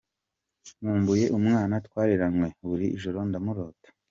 Nkumbuye umwana twareranywe, buri joro ndamurota.